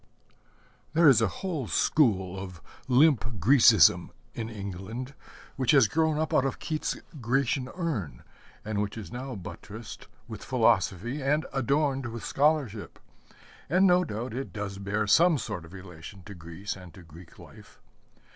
There is a whole school of limp Grecism in England, which has grown up out of Keats's Grecian Urn, and which is now buttressed with philosophy and adorned with scholarship; and no doubt it does bear some sort of relation to Greece and to Greek life.